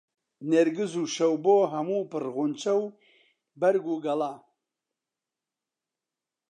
نێرگس و شەوبۆ هەموو پڕ غونچە و بەرگ و گەڵا